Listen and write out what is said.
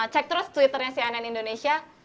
cek terus twitternya si anen indonesia